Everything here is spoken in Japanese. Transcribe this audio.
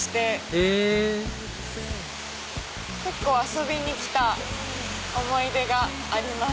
へぇ遊びに来た思い出があります。